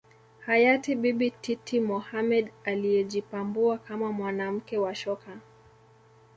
Hayati Bibi Titi Mohamed aliyejipambua kama mwanamke wa shoka